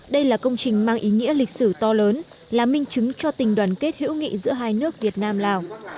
đây là công trình mang ý nghĩa lịch sử to lớn là minh chứng cho tình đoàn kết hữu nghị giữa hai nước việt nam lào